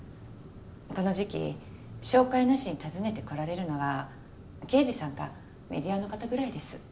この時期紹介なしに訪ねてこられるのは刑事さんかメディアの方ぐらいです。